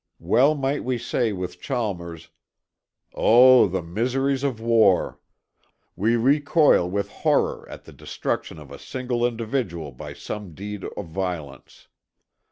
Well might we say with Chalmers: "O, the miseries of war! We recoil with horror at the destruction of a single individual by some deed of violence.